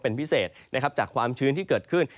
เป็นพิเศษนะครับจากความชื้นที่เกิดขึ้น